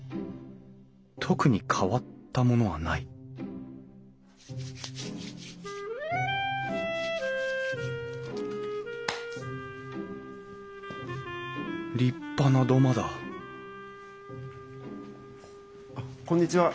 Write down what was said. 特に変わったものはない立派な土間だこんにちは。